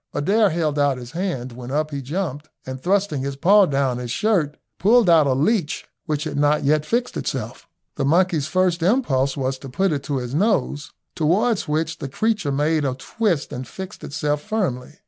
Adair held out his hand, when up he jumped, and thrusting his paw down his shirt pulled out a leech which had not yet fixed itself. The monkey's first impulse was to put it to his nose, towards which the creature made a twist and fixed itself firmly.